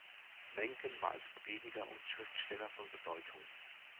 Menken war als Prediger und Schriftsteller von Bedeutung.